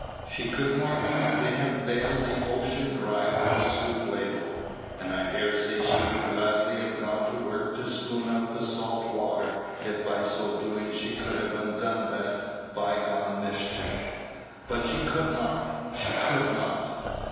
She could more easily have baled the ocean dry with a soup ladle and I dare say she would gladly have gone to work to spoon out the salt water if by so doing she could have undone that by gone mischief. But she could not; she could not!